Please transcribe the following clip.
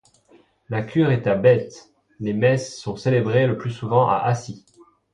La cure est à Betz, les messes sont célébrées le plus souvent à Acy.